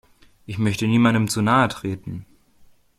Ich möchte niemandem zu nahe treten.